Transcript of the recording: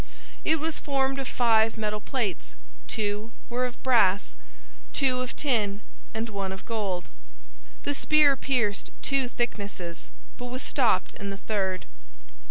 It was formed of five metal plates; two were of brass, two of tin, and one of gold. The spear pierced two thicknesses, but was stopped in the third.